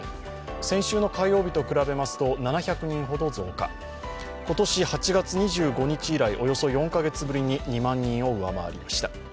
先週の火曜日と比べますと７００人ほど増加、今年８月２５日以来、およそ４か月ぶりに２万人を上回りました。